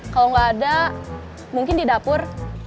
kalo gak ada mungkin di dapur